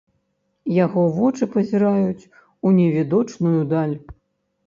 Яго вочы пазіраюць у невідочную даль.